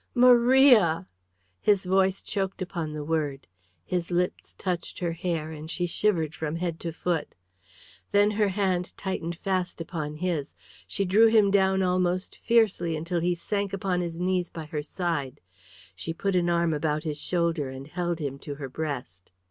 "Maria!" His voice choked upon the word, his lips touched her hair, and she shivered from head to foot. Then her hand tightened fast upon his; she drew him down almost fiercely until he sank upon his knees by her side; she put an arm about his shoulder and held him to her breast.